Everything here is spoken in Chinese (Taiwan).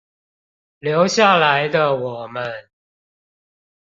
留下來的我們